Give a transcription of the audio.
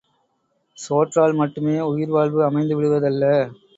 சோற்றால் மட்டுமே உயிர்வாழ்வு அமைந்துவிடுவதல்ல.